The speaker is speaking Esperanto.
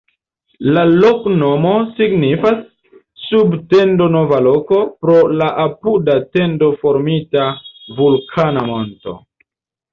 La loknomo signifas: sub-tendo-nova-loko, pro la apuda tendo-formita vulkana monto.